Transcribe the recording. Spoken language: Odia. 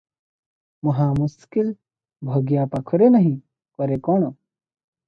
ମହାମୁସ୍କିଲ! ଭଗିଆ ପାଖରେ ନାହିଁ, କରେ କଣ?